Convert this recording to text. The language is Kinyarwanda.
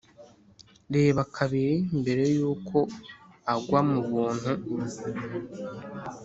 reba kabiri mbere yuko agwa mu buntu.